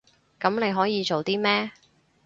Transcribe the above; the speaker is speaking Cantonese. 噉你可以做啲咩？